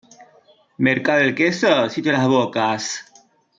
Mercado del queso, sitio Las Bocas.